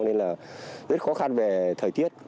nên là rất khó khăn về thời tiết